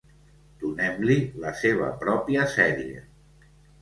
Donem-li la seva pròpia sèrie.